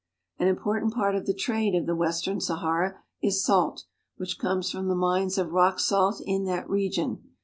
An important part of the trade of the western Sahara is salt, which comes from the mines of rock salt in that region.